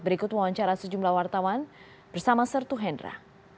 berikut wawancara sejumlah wartawan bersama sertu hendra